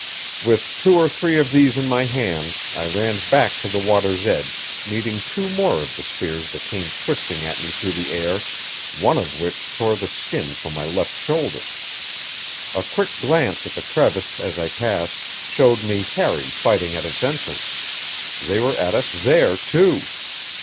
With two or three of these in my hands I ran back to the water's edge, meeting two more of the spears that came twisting at me through the air, one of which tore the skin from my left shoulder. A quick glance at the crevice as I passed showed me Harry fighting at its entrance; they were at us there, too.